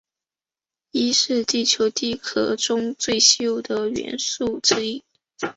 铱是地球地壳中最稀有的元素之一。